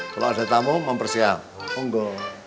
kalau ada tamu mempersiap unggul